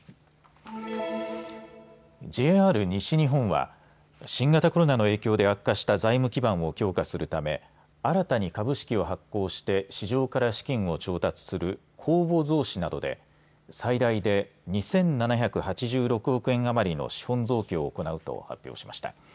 ＪＲ西日本は新型コロナの影響で悪化した財務基盤を強化するため新たに株式を発行して市場から資金を調達する公募増資などで最大で２７８６億円余りの資本増強を行うと発表しました。